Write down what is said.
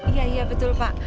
iya iya betul pak